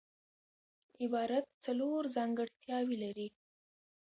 عبارت څلور ځانګړتیاوي لري.